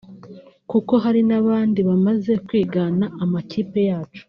kuko hari n’abari bamaze kwigana amatike yacu